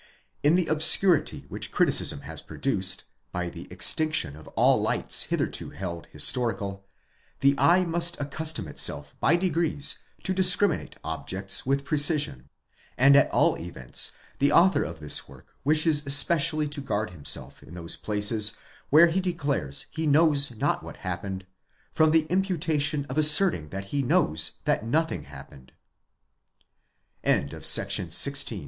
In the obscurity which criticism has produced, by the extinction of all lights hitherto held historical, the eye must accustom itself 92 ' INTRODUCTION. § 16. 'by degrees to discriminate objects with precision ; and at all events the author of this work, wishes especially to guard himself in those places where he declares he knows not what happened, from the imputation of asserting that he knows that nothing happened. FIR